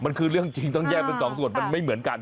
มันคือเรื่องจริงต้องแยกเป็นสองส่วนมันไม่เหมือนกัน